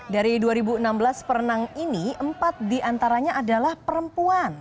dari dua ribu enam belas perenang ini empat diantaranya adalah perempuan